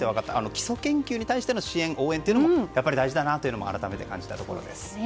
基礎研究に対しての支援、応援もやっぱり大事だなというのも改めて感じたところです。